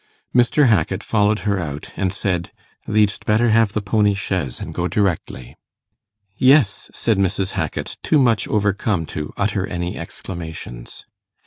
Mr. Hackit followed her out and said, 'Thee'dst better have the pony chaise, and go directly.' 'Yes,' said Mrs. Hackit, too much overcome to utter any exclamations.